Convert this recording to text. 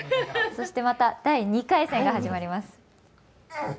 そして、また第２回戦が始まります。